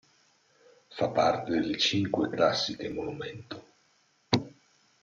Fa parte delle cinque classiche monumento.